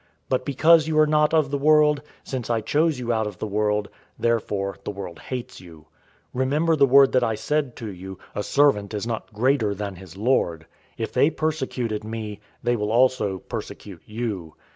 But because you are not of the world, since I chose you out of the world, therefore the world hates you. 015:020 Remember the word that I said to you: 'A servant is not greater than his lord.'{John 13:16} If they persecuted me, they will also persecute you.